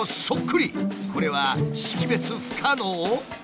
これは識別不可能？